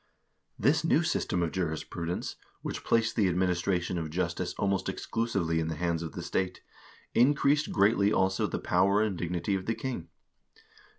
This new system of jurisprudence, which placed the administra tion of justice almost exclusively in the hands of the state, increased greatly also the power and dignity of the king.